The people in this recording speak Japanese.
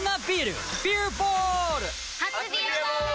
初「ビアボール」！